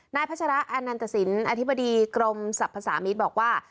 นายพัชราอันนันตสินอธิบดีกรมศัพท์ภาษามิตบอกว่า